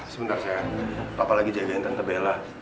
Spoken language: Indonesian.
sebentar sayang papa lagi jagain tante bella